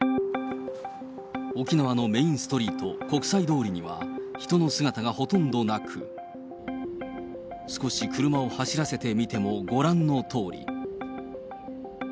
沖縄のメインストリート、国際通りには、人の姿がほとんどなく、少し車を走らせてみてもご覧のとおり。